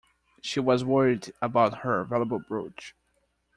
She was worried about her valuable brooch.